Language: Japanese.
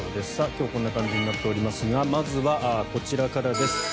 今日はこんな感じになっておりますがまずはこちらからです。